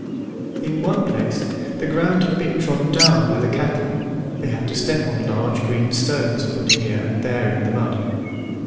In one place the ground had been trodden down by the cattle; they had to step on large green stones put here and there in the mud.